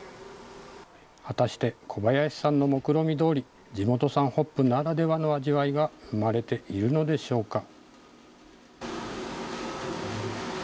果たして小林さんのもくろみどおり、地元産ホップならではの味わいが生まれているのでしょうか。